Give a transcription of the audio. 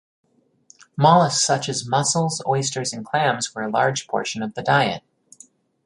Mollusks such as mussels, oysters, and clams were a large portion of the diet.